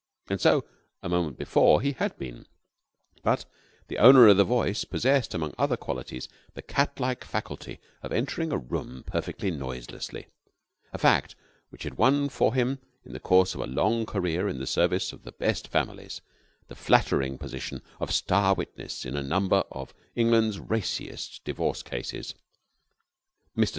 And so, a moment before, he had been. But the owner of the voice possessed, among other qualities, the cat like faculty of entering a room perfectly noiselessly a fact which had won for him, in the course of a long career in the service of the best families, the flattering position of star witness in a number of England's raciest divorce cases. Mr.